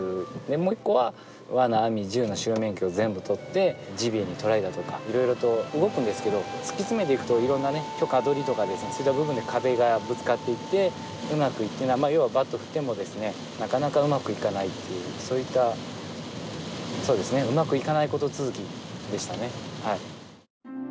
でもう一個はわな・網・銃の狩猟免許を全部取ってジビエにトライだとかいろいろと動くんですけど突き詰めていくといろんなね許可取りとかですねそういった部分で壁にぶつかっていってうまくいっていない要はバットを振ってもですねなかなかうまくいかないっていうそういったそうですねうまくいかないこと続きでしたねはい。